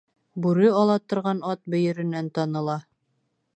Бүре ала торған ат бөйөрөнән таныла